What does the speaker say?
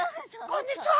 「こんにちは！」